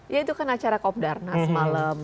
ya itu kan acara kop darnas malam